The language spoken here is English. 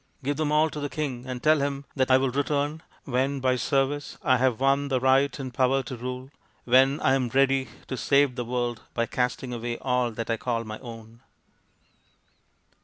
Give them all to the king, and tell him that I will return when by service I have won the right and power to rule, when I am ready to save the world by casting away all that I call my own."